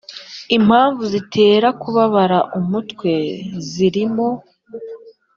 impamvu zitera kubabara umutwe zirimo